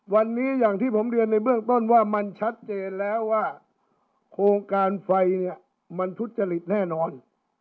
วันนี้อย่างที่ผมเรียนในเบื้องต้นว่ามันชัดเจนแล้วว่าโครงการไฟเนี่ยมันทุจริตแน่นอน